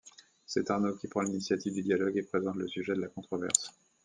C’est Arnaud qui prend l’initiative du dialogue et présente le sujet de la controverse.